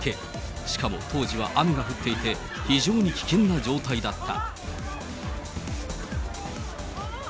しかも当時は雨が降っていて、非常に危険な状態だった。